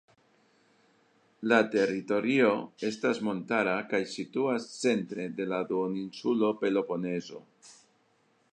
La teritorio estas montara kaj situas centre de la duoninsulo Peloponezo.